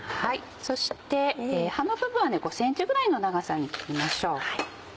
そして葉の部分は５ｃｍぐらいの長さに切りましょう。